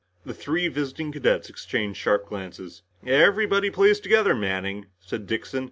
The three visiting cadets exchanged sharp glances. "Everybody plays together, Manning," said Dixon.